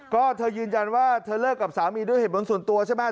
ก็เธอยืนยันว่าเธอเลิกกับสามีด้วยเหตุผลส่วนตัวใช่ไหม